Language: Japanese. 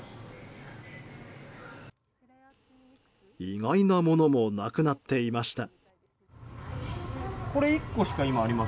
意外なものもなくなっていました。